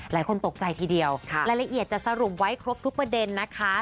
หลายคนตกใจทีเดียวรายละเอียดจะสรุปไว้ครบทุกประเด็นนะคะ